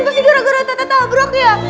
pasti gara gara tata tabrak ya